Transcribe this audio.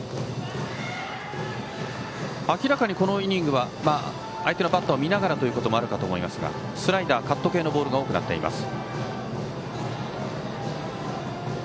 明らかにこのイニングは相手のバッターを見ながらということもあるかと思いますがスライダー、カット系のボールが多くなっています。